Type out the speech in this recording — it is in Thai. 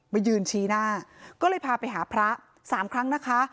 มายืนชี้หน้าก็เลยพาไปหาพระสามครั้งนะคะ